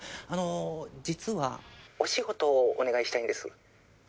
あの実はお仕事お願いしたいんです。